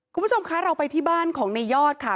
คุณผู้ชมคะเราไปที่บ้านของในยอดค่ะ